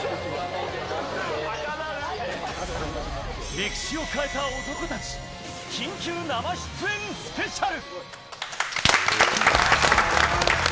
歴史を変えた男たち緊急生出演スペシャル。